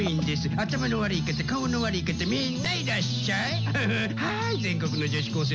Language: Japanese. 頭の悪い方顔の悪い方みんないらっしゃい。